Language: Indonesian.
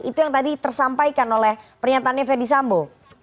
itu yang tadi tersampaikan oleh pernyatanya fedy sambo